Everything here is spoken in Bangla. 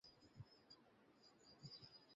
মিশেল কে শেখাতে শেখাতে আজ আমি এটা শিখেছি।